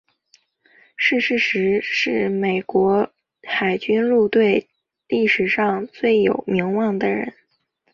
逝世时是美国海军陆战队历史上最有名望的人。